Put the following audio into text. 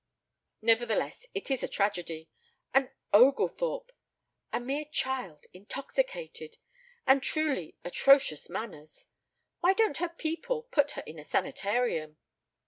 ... Nevertheless, it is a tragedy. An Oglethorpe! A mere child intoxicated ... and truly atrocious manners. Why don't her people put her in a sanitarium?"